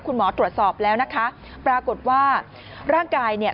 คุณหมอตรวจสอบแล้วนะคะปรากฏว่าร่างกายเนี่ย